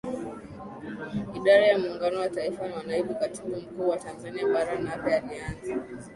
Idara ya muunganiko wa Taifa na Naibu Katibu Mkuu wa Tanzania baraNape alianza